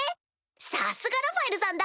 さすがラファエルさんだ！